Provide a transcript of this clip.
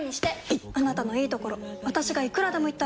いっあなたのいいところ私がいくらでも言ってあげる！